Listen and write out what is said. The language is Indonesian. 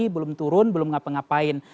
belum turun belum ngapa ngapain